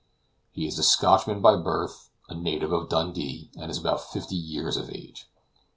He is a Scotchman by birth, a native of Dundee, and is about fifty years of age.